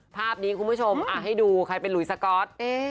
ภาพนี้คุณผู้ชมให้ดูใครเป็นหลุยสก๊อต